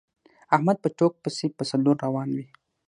احمد په ټوک پسې په څلور روان وي.